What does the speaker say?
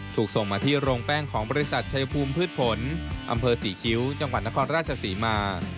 ถูกส่งมาที่โรงแป้งของบริษัทชายภูมิพืชผลอำเภอศรีคิ้วจังหวัดนครราชศรีมา